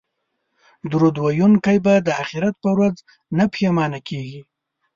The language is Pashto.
درود ویونکی به د اخرت په ورځ نه پښیمانه کیږي